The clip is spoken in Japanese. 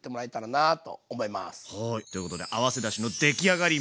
ということで合わせだしの出来上がり！